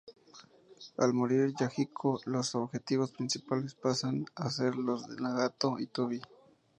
Al morir Yahiko, los objetivos principales pasan a ser los de Nagato y Tobi.